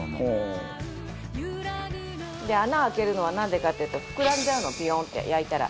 穴開けるのはなんでかっていうと膨らんじゃうのビヨーンって焼いたら。